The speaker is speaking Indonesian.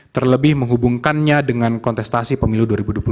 terlebih menghubungkannya dengan kontestasi pemilu dua ribu dua puluh